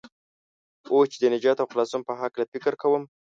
اوس چې د نجات او خلاصون په هلکه فکر کوم.